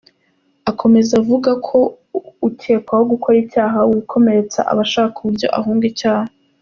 Akomeza avuga ko ukekwaho gukora icyaha wikomeretsa aba ashaka uburyo ahunga icyaha .